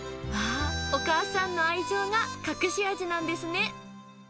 うわー、お母さんの愛情が隠し味なんですね。